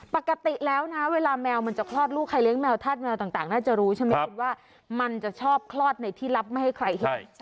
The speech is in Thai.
ปกติแล้วนะเวลาแมวมันจะคลอดลูกใครเลี้ยแมวธาตุแมวต่างน่าจะรู้ใช่ไหมคุณว่ามันจะชอบคลอดในที่ลับไม่ให้ใครเห็น